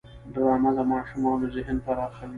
ډرامه د ماشومانو ذهن پراخوي